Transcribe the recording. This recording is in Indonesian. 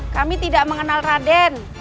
kami tidak mengenal raden